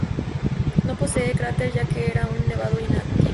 No posee crater ya que era un nevado inactivo.